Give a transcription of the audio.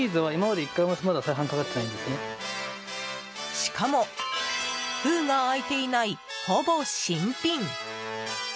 しかも、封が開いていないほぼ新品。